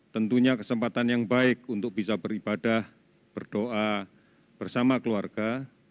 tentunya kesempatan yang baik untuk bisa beribadah berdoa bersama keluarga